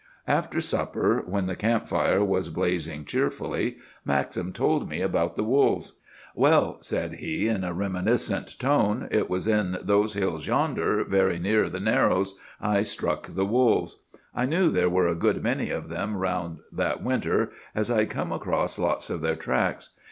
"After supper, when the camp fire was blazing cheerfully, Maxim told me about the wolves. "'Well,' said he in a reminiscent tone, 'it was in those hills yonder, very near the Narrows, I struck the wolves. I knew there were a good many of them 'round that winter, as I'd come across lots of their tracks.